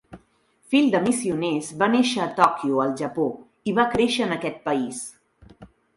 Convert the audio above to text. Fill de missioners, va néixer a Tòquio, al Japó, i va créixer en aquest país.